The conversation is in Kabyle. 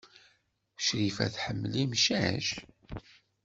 Crifa tḥemmel imcac?